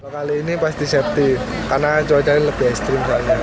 kali ini pasti safety karena cuacanya lebih ekstrim soalnya